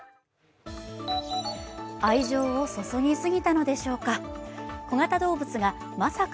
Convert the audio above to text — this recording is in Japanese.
愛情を注ぎ過ぎたのでしょうか。